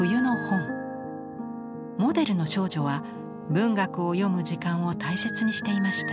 モデルの少女は文学を読む時間を大切にしていました。